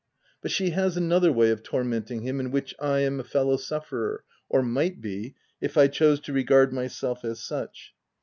But she has another way of tormenting him, in which I am a fellow sufferer — or might be, if I chose to regard myself as such.